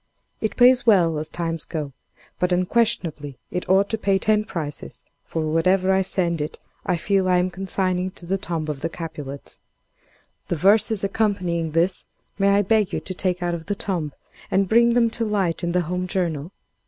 It pays well as times go but unquestionably it ought to pay ten prices; for whatever I send it I feel I am consigning to the tomb of the Capulets. The verses accompanying this, may I beg you to take out of the tomb, and bring them to light in the 'Home Journal?